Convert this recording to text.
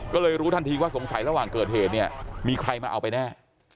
ก็เลยรู้ทันทีว่าสงสัยระหว่างเกิดเหตุเนี่ยมีใครมาเอาไปแน่